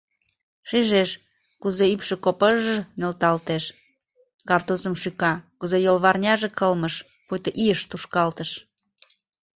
Шижеш, кузе ӱпшӧ копыж-ж нӧлталтеш, картузым шӱка, кузе йолварняже кылмыш, пуйто ийыш тушкалтыш...